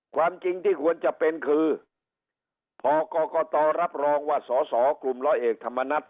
ความจริงที่ควรจะเป็นคือพอกรกตรับรองว่าสอสอกลุ่มร้อยเอกธรรมนัฐ